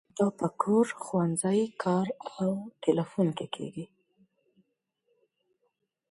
دا په کور، ښوونځي، کار او تیلیفون کې کیږي.